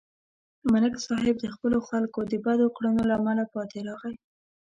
ملک صاحب د خپلو خلکو د بدو کړنو له امله پاتې راغی